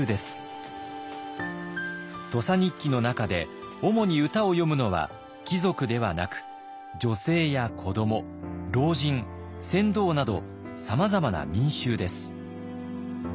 「土佐日記」の中でおもに歌を詠むのは貴族ではなく女性や子ども老人船頭などさまざまな民衆です。